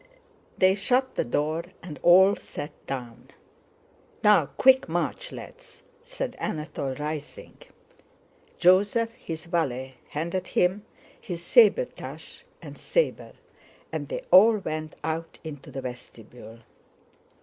They shut the door and all sat down. "Now, quick march, lads!" said Anatole, rising. Joseph, his valet, handed him his sabretache and saber, and they all went out into the vestibule.